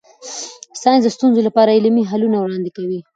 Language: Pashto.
ساینس د ستونزو لپاره عملي حلونه وړاندې کوي.